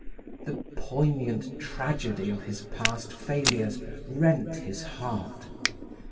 The poignant tragedy of his past failures rent his heart.